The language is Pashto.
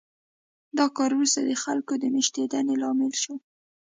دا کار وروسته د خلکو د مېشتېدنې لامل شو